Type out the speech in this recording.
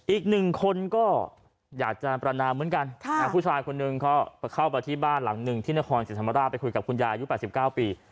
อีก๑คนก็อยากจะประณาเหมือนกันผู้ชายคนนึงเขาเข้าไปที่บ้านหลัง๑ที่นครสิทธิ์ธรรมดาไปคุยกับคุณยายยุด๘๙ปี